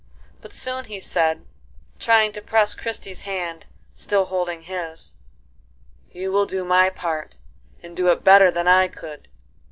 But soon he said, trying to press Christie's hand, still holding his: "You will do my part, and do it better than I could.